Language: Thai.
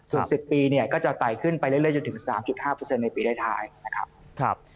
ส่วน๑๐ปีเนี่ยก็จะไต่ขึ้นไปเรื่อยจนถึง๓๕ในปีท้ายนะครับ